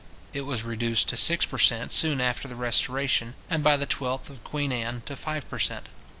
It was reduced to six per cent. soon after the Restoration, and by the 12th of Queen Anne, to five per cent.